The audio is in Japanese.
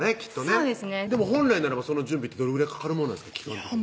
本来ならばその準備ってどれぐらいかかるものなんですか？